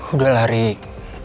udah lah rick